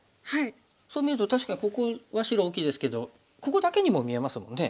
そう見ると確かにここは白大きいですけどここだけにも見えますもんね。